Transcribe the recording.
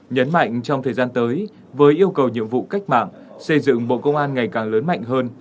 nhấn mạnh trong thời gian tới với yêu cầu nhiệm vụ cách mạng xây dựng bộ công an ngày càng lớn mạnh hơn